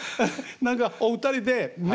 何かお二人でね